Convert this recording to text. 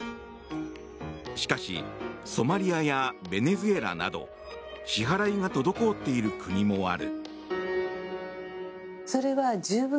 しかしソマリアやベネズエラなど支払いが滞っている国もある。